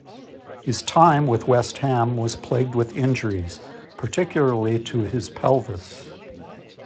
His time with West Ham was plagued with injuries, particularly to his pelvis.